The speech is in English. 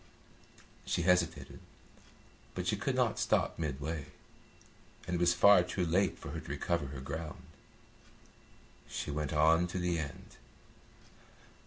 She hesitated, but she could not stop midway, and it was far too late for her to recover her ground. She went on to the end.